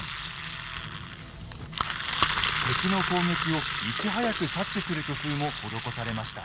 敵の攻撃をいち早く察知する工夫も施されました。